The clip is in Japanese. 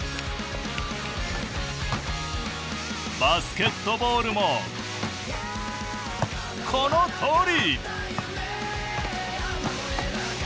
バスケットボールもこのとおり。